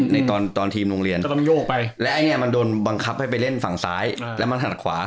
ในตอนทีมโรงเรียนก็ต้องโยกไปและอันนี้มันโดนบังคับให้ไปเล่นฝั่งซ้ายแล้วมันถนัดขวา